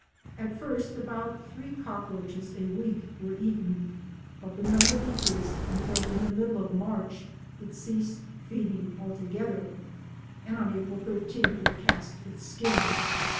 At first about three cockroaches a week were eaten but the number decreased until, in the middle of March it ceased feeding altogether, and on April 13 it cast its skin.